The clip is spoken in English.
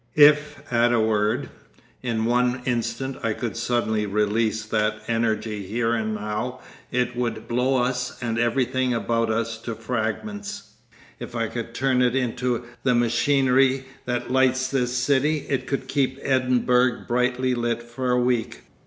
If at a word, in one instant I could suddenly release that energy here and now it would blow us and everything about us to fragments; if I could turn it into the machinery that lights this city, it could keep Edinburgh brightly lit for a week.